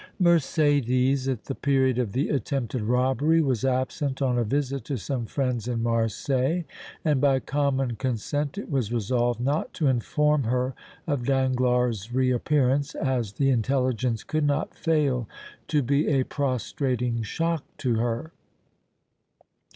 Mercédès at the period of the attempted robbery was absent on a visit to some friends in Marseilles, and by common consent it was resolved not to inform her of Danglars' reappearance, as the intelligence could not fail to be a prostrating shock to her.